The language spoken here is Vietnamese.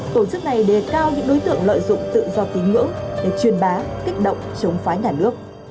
tổ chức này đề cao những đối tượng lợi dụng tự do tín ngưỡng để chuyên bá kích động chống phái đả nước